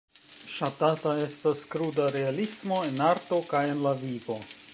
Ŝatata estas kruda realismo, en arto kaj en la vivo.